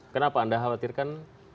kenapa anda khawatirkan